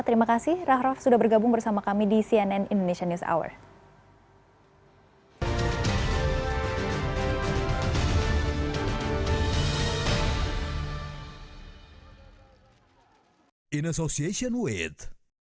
terima kasih raff raff sudah bergabung bersama kami di cnn indonesian news hour